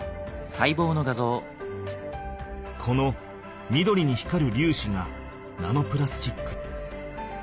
この緑に光るりゅうしがナノプラスチック。